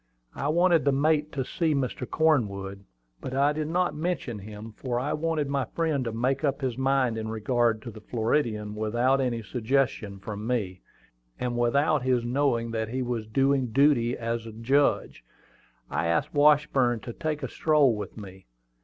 I wanted the mate to see Mr. Cornwood; but I did not mention him, for I wanted my friend to make up his mind in regard to the Floridian without any suggestion from me, and without his knowing that he was doing duty as a judge. I asked Washburn to take a stroll with me.